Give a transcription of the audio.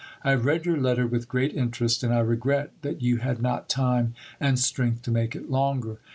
I have read your letter with great interest, and I regret that you had not time and strength to make it longer.